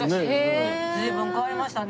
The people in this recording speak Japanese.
随分変わりましたね。